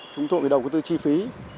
chúng tôi phải đầu tư chi phí